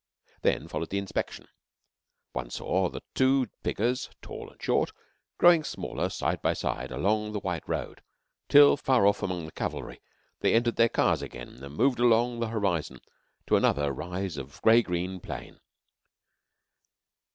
Then followed the inspection, and one saw the two figures, tall and short, growing smaller side by side along the white road, till far off among the cavalry they entered their cars again, and moved along the horizon to another rise of grey green plain.